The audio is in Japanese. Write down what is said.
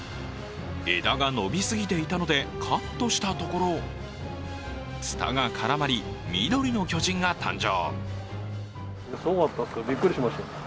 枝が伸びすぎていたのでカットしたところつたが絡まり、緑の巨人が誕生。